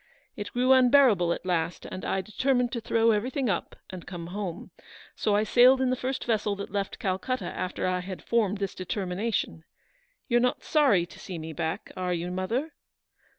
It grew unbearable at last, and I determined to throw everything up, and come home; so I sailed in the first vessel that left Calcutta after I had formed this determination. You're not sorry to see me back, are you, mother